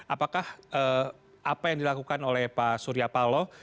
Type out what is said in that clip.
apakah apa yang dilakukan oleh pak surya paloh